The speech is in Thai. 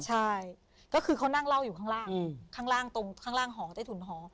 ใช่ก็คือเขานั่งเล่าอยู่ข้างล่างข้างล่างตรงข้างล่างหอใต้ถุนหอ